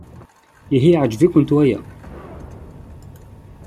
Ihi yeɛjeb-ikent waya?